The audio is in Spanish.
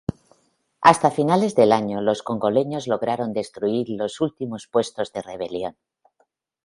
Hasta finales del año los congoleños lograron destruir los últimos puntos de rebelión.